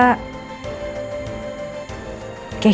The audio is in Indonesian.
gue gak bisa terima boneka itu